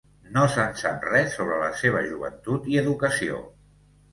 No se'n sap res sobre la seva joventut i educació.